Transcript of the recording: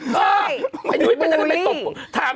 ถามว่าทำยังไงก็ข้ามผ่านสิ